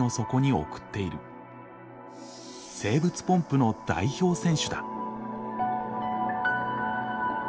生物ポンプの代表選手だ。